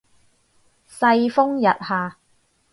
世風日下